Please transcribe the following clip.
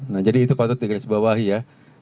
nah jadi itu patut digarisbawahi ya